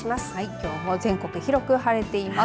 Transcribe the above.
きょうも全国広く晴れています。